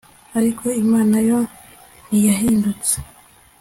ariko Imana yo ntiyahindutse